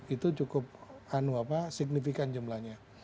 itu cukup signifikan jumlahnya